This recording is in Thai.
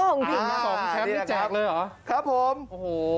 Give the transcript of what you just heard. สองแชมป์นี้แจกเลยหรือครับครับผมโอ้โฮ